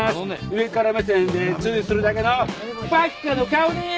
上から目線で注意するだけの馬鹿の顔でーす！